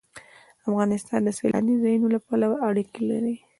افغانستان د سیلاني ځایونو له پلوه اړیکې لري.